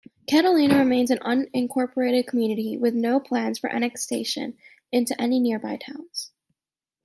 Catalina remains an unincorporated community, with no plans for annexation into any nearby towns.